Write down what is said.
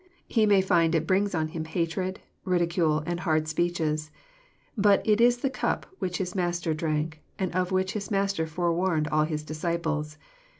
He may find it brings on him hatred, ridicule, and hard speeches ; but it is the cup which his Master drank, and of which his Master forewarned all His disciples.